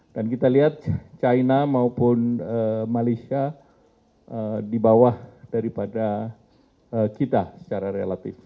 dan kita lihat china maupun malaysia di bawah daripada kita secara relatif